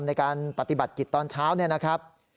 ในการปฏิบัติกิจตอนเช้าเนี่ยนะครับ